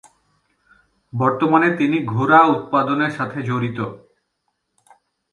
বর্তমানে তিনি ঘোড়া উৎপাদনের সাথে জড়িত।